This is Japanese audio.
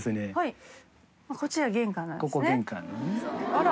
あら！